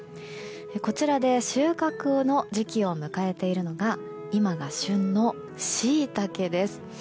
こちらで収穫の時期を迎えているのが今が旬のシイタケです。